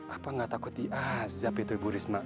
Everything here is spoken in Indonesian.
apa gak takut diazab itu bu risma